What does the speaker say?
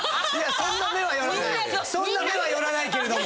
そんな目は寄らないけれども。